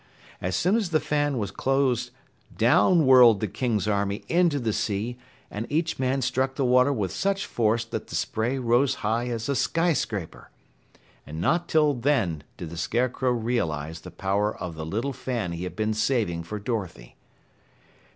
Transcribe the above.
As soon as the fan was closed, down whirled the king's army into the sea, and each man struck the water with such force that the spray rose high as a skyscraper. And not till then did the Scarecrow realize the power of the little fan he had been saving for Dorothy.